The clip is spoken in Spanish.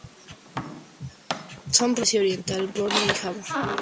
Son propios de Asia oriental, Borneo y Java.